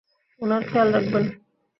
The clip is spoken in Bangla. উনার খেয়াল রাখবেন।